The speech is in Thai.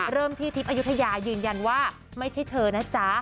เริ่มที่ทิพย์อายุทยายืนยันว่าไม่ใช่เธอนะจ๊ะ